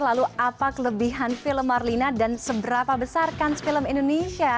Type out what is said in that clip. lalu apa kelebihan film marlina dan seberapa besar kans film indonesia